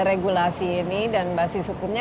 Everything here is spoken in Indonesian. regulasi ini dan basis hukumnya